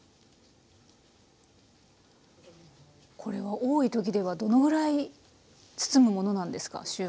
これは多い時ではどのぐらい包むものなんですか？